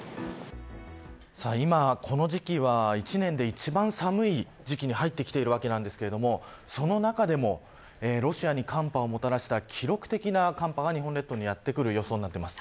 今この時期は一年で一番寒い時期に入っていますがその中でもロシアに寒波をもたらした記録的寒波が日本列島にやってくる予想になっています。